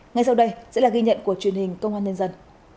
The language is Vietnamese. ngay sau đây sẽ là ghi nhận của truyền hình công an nhân dân